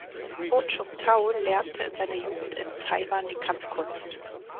Ho Chung Tao lernte in seiner Jugend in Taiwan die Kampfkunst.